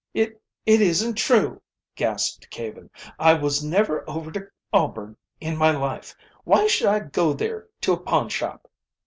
"It It isn't true!" gasped Caven. "I was never over to Auburn in my life. Why should I go there to a pawnshop?"